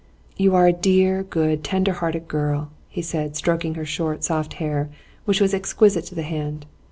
'You are a dear, good, tender hearted girl,' he said, stroking her short, soft hair, which was exquisite to the hand.